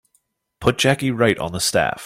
Put Jackie right on the staff.